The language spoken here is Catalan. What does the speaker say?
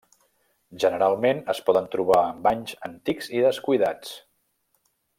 Generalment es poden trobar en banys antics i descuidats.